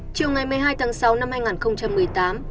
chiều ngày một mươi hai tháng sáu năm hai nghìn một mươi tám